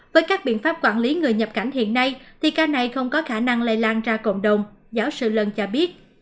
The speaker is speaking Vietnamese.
với các biện pháp quản lý người nhập cảnh hiện nay thì ca này không có khả năng lây lan ra cộng đồng giáo sư lân cho biết